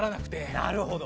なるほど。